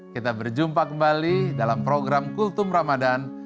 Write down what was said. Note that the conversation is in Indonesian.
kita berjumpa kembali dalam program kultum ramadhan